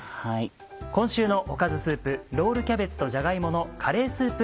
今週のおかずスープ「ロールキャベツとじゃが芋のカレースープ」